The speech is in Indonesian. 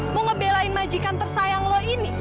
mau ngebelain majikan tersayang loh ini